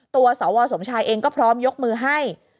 สวสมชายเองก็พร้อมยกมือให้